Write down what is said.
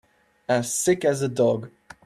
As sick as a dog.